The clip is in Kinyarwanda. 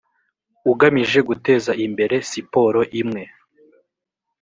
ugamije guteza imbere siporo imwe